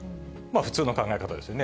普通の考え方ですよね。